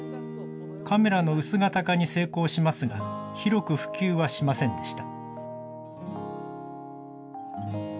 カメラの薄型化に成功しますが、広く普及はしませんでした。